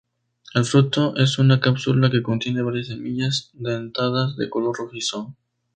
El fruto es una cápsula que contiene varias semillas dentadas de color rojizo.